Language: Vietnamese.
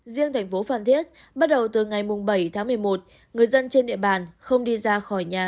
riêng tp hcm bắt đầu từ ngày bảy tháng một mươi một người dân trên địa bàn không đi ra khỏi nhà